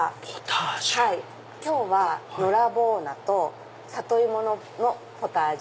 今日はのらぼう菜とサトイモのポタージュ。